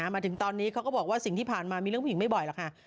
มาถึงตอนนี้เขาก็บอกว่าสิ่งที่ผ่านมามีเรื่องผู้หญิงไม่บ่อยหรอกค่ะ